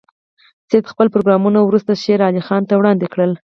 سید خپل پروګرامونه وروسته شېر علي خان ته وړاندې کړل.